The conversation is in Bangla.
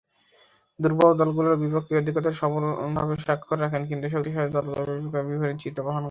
দূর্বল দলগুলোর বিপক্ষেই অধিকতর সফলতার স্বাক্ষর রাখেন; কিন্তু, শক্তিশালী দলগুলোর বিপক্ষে বিপরীত চিত্র বহন করে।